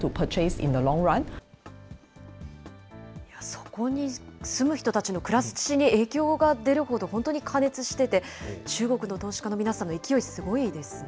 そこに住む人たちの暮らしに影響が出るほど、本当に過熱してて、中国の投資家の皆さんの勢いすごいですね。